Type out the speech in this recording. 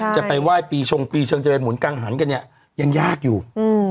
จะไปไหว้ปีชงปีเชิงจะไปหมุนกังหันกันเนี่ยยังยากอยู่